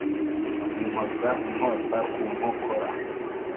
Inkoza inkota ku nkokora